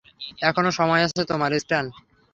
এখনও সময় আছে তোমার, স্ট্যান।